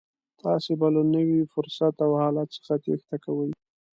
تاسې به له نوي فرصت او حالت څخه تېښته کوئ.